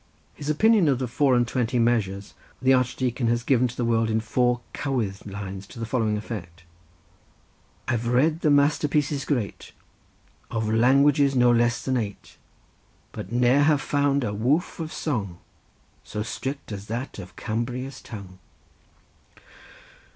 His opinion of the four and twenty measures the Archdeacon has given to the world in four cowydd lines to the following effect: "I've read the master pieces great Of languages no less than eight, But ne'er have found a woof of song So strict as that of Cambria's tongue."